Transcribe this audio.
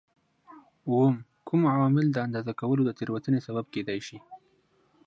اووم: کوم عوامل د اندازه کولو د تېروتنې سبب کېدای شي؟